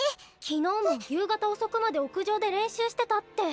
昨日も夕方遅くまで屋上で練習してたって。